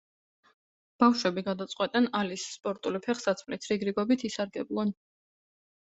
ბავშვები გადაწყვეტენ, ალის სპორტული ფეხსაცმლით რიგრიგობით ისარგებლონ.